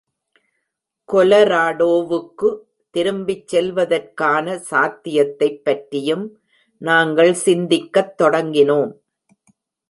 கொலராடோவுக்கு திரும்பிச் செல்வதற்கான சாத்தியத்தை பற்றியும் நாங்கள் சிந்திக்கத் தொடங்கினோம்.